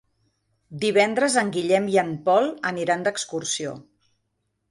Divendres en Guillem i en Pol aniran d'excursió.